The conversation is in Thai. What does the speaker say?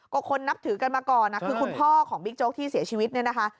ก็คนนับถือกันมาก่อนคือคุณพ่อของบิ๊กโจ๊กที่เสียชีวิตเนี่ยนะคะ